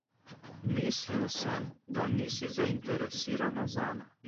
Mislil sem, da nisi zainteresirana zame.